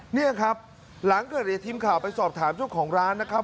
นี่ครับหลังเกิดเหตุทีมข่าวไปสอบถามเจ้าของร้านนะครับ